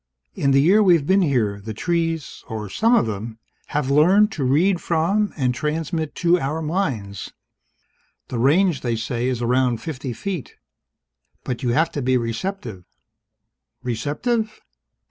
In the year we've been here, the trees or some of them have learned to read from and transmit to our minds. The range, they say, is around fifty feet. But you have to be receptive " "Receptive?"